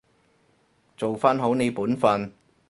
做返好你本分